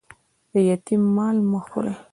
د یتيم مال مه خوري